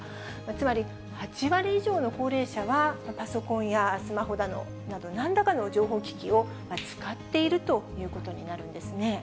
つまり８割以上の高齢者は、パソコンやスマホなど、なんらかの情報機器を使っているということになるんですね。